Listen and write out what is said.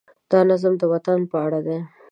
دا نظم د وطن په اړه دی.